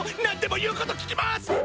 なんでも言うこと聞きます！